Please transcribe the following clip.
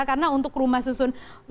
karena untuk rumah susun